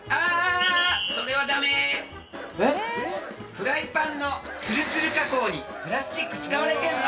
フライパンのツルツル加工にプラスチック使われてんの！